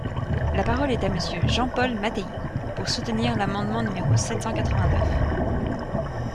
La parole est à Monsieur Jean-Paul Mattei, pour soutenir l’amendement numéro sept cent quatre-vingt-neuf.